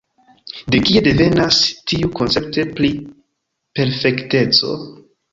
De kie devenas tiu koncepto pri perfekteco?